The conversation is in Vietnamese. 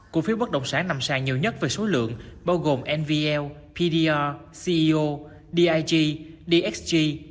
cổ phiếu bất động sản nằm sàn nhiều nhất về số lượng bao gồm nvl pdr ceo dig dxg